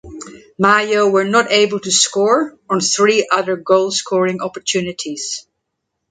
Mayo were not able to score on three other goal scoring opportunities.